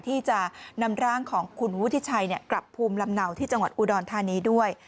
ที่จะนำร่างของคุณวุฒิชัยกลับภูมิลำเนาที่จังหวัดอุดรธานีด้วย